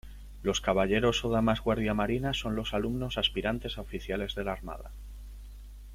Los caballeros o damas guardiamarinas son los alumnos aspirantes a oficiales de la Armada.